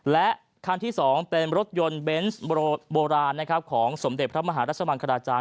และคันที่๒เป็นรถยนต์เบนส์โบราณของสมเด็จพระมหารัชมังคลาจารย